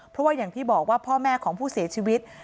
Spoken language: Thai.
เพราะว่าอย่างที่บอกว่าพ่อแม่ของผู้เสียชีวิต